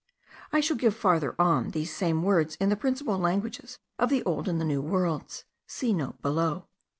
I shall give, farther on, these same words in the principal languages of the old and new worlds. See note below.)